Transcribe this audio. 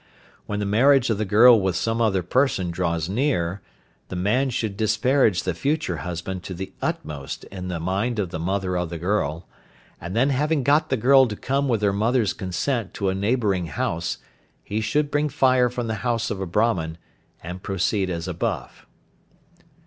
When the marriage of the girl with some other person draws near, the man should disparage the future husband to the utmost in the mind of the mother of the girl, and then having got the girl to come with her mother's consent to a neighbouring house, he should bring fire from the house of a Brahman, and proceed as above.